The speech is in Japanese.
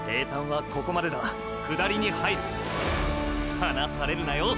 離されるなよ